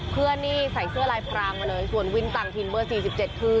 เพื่อนนี่ใส่เสื้อลายพรางมาเลยส่วนวินต่างถิ่นเบอร์๔๗คือ